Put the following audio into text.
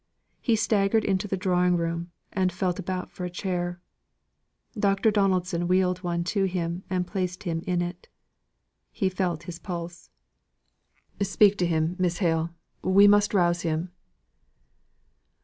He staggered into the drawing room, and felt about for a chair. Dr. Donaldson wheeled one to him, and placed him in it. He felt his pulse. "Speak to him, Miss Hale. We must rouse him."